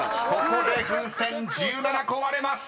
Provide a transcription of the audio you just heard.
［ここで風船１７個割れます］